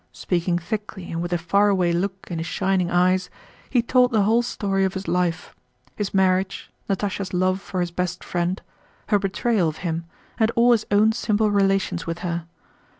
Speaking thickly and with a faraway look in his shining eyes, he told the whole story of his life: his marriage, Natásha's love for his best friend, her betrayal of him, and all his own simple relations with her.